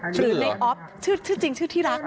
ชื่อหรอคะชื่อจริงคือที่รัก